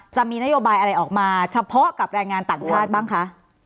จะมีนโยบายอะไรออกมาเฉพาะกับแรงงานต่างชาติบ้างคะ